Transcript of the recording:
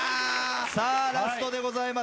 さあラストでございます。